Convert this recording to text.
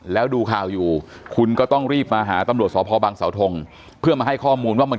แล้วดูข่าวอยู่คุณก็ต้องรีบมาหาตำรวจสพบังเสาทงเพื่อมาให้ข้อมูลว่ามัน